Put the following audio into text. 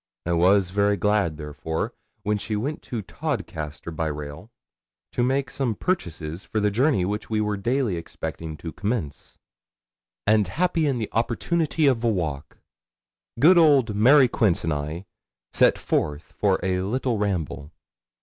I was very glad, therefore, when she went to Todcaster by rail, to make some purchases for the journey which we were daily expecting to commence; and happy in the opportunity of a walk, good old Mary Quince and I set forth for a little ramble.